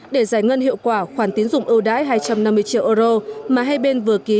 để giải ngân hiệu quả khoản tiến dụng ưu đái hai trăm năm mươi triệu euro mà hai bên vừa ký